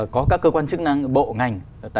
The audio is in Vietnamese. có các cơ quan chức năng bộ ngành